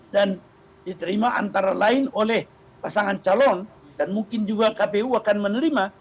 dan diterima antara lain oleh pasangan calon dan mungkin juga kpu akan menerima